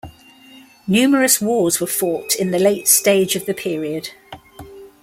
Numerous wars were fought in the late stage of the period.